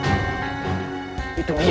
dia akan menerima kehormatannya